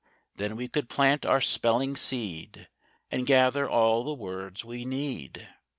Then we could plant our spelling seed, And gather all the words we need.